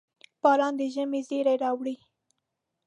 • باران د ژمي زېری راوړي.